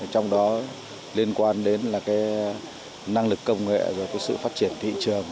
trong đó liên quan đến là cái năng lực công nghệ và sự phát triển thị trường